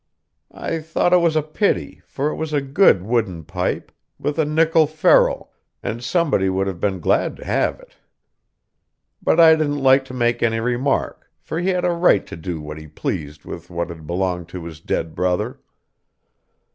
I thought it was a pity, for it was a good wooden pipe, with a nickel ferrule, and somebody would have been glad to have it. But I didn't like to make any remark, for he had a right to do what he pleased with what had belonged to his dead brother.